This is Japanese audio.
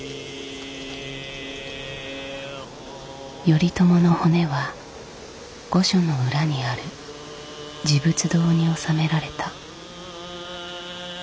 頼朝の骨は御所の裏にある持仏堂に納められた。